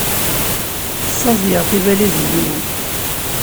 Ssaẓyeɣ tibalizin-inu.